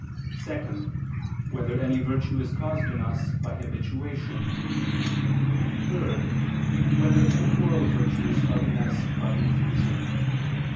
(2) Whether any virtue is caused in us by habituation? (3) Whether any moral virtues are in us by infusion?